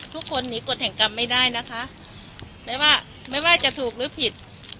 ทุกคนหนีกฎแห่งกรรมไม่ได้นะคะไม่ว่าไม่ว่าจะถูกหรือผิด